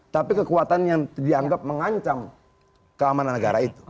tapi kekuatan yang dianggap mengancam keamanan negara itu